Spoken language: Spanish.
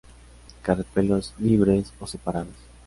Carpelos libres o separados.